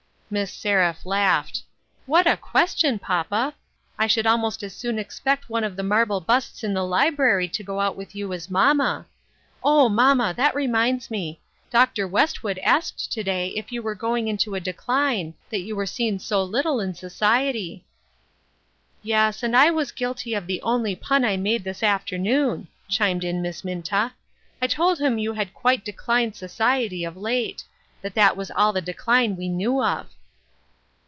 Miss Seraph laughed. " What a question, papa ! I should almost as soon expect one of the marble busts in the library to go out with you as mamma. O, mamma! that reminds me; Dr. Westwood asked to day if you were going into a decline, that you were seen so little in society." 12 AFTER SIX YEARS. " Yes, and I was guilty of the only pun I marie this afternoon, " chimed in Miss Minta. " I told him you had quite declined society, of late ; that that was all the decline we knew of."